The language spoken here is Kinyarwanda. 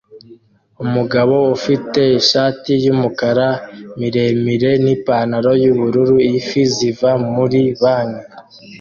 Umugabo ufite ishati yumukara miremire n ipantaro yubururu ifi ziva muri banki